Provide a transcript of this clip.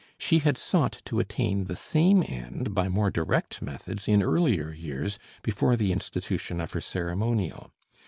She had sought to attain the same end by more direct methods in earlier years, before the institution of her ceremonial.